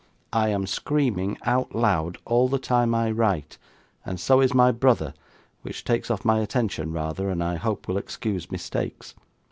I am screaming out loud all the time I write and so is my brother which takes off my attention rather and I hope will excuse mistakes.